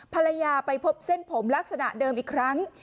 ภรรยาไปพบเส้นผมลักษณะเดิมอีกครั้ง